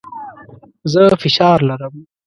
زه فشار لرم.